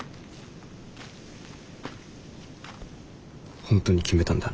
本当に決めたんだな。